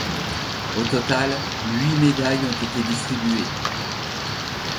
Au total, huit médailles ont été distribuées.